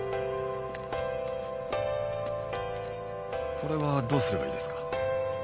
これはどうすればいいですか？